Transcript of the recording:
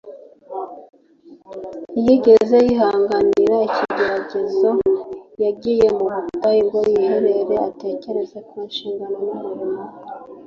. Ntiyigeze yihamagarira ikigeragezo. Yagiye mu butayu ngo yiherere, atekereze ku nshingano n’umurimo we.